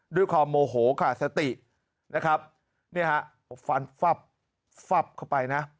ด้วยความโมโหขาดสตินะครับเนี่ยฮะฟันฟับเข้าไปนะ